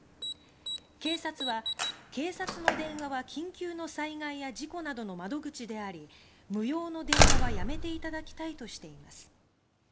警察は、警察の電話は緊急の災害や事故などの窓口であり無用の電話はやめていただきたいとしています。